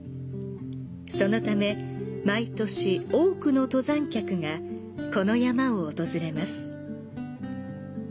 そのため、毎年多くの登山客がこの山を訪れます。